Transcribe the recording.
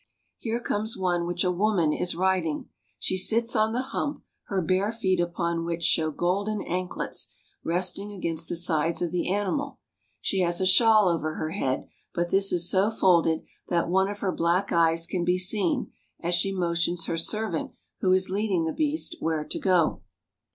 Here comes one which a woman is riding. She sits on the hump, her bare feet THE NATIVE STATES OF INDIA 289 upon which show golden anklets resting against the sides of the animal. She has a shawl over her head, but this is so folded that one of her black eyes can be seen, as she motions her servant, who is leading the beast, where to go.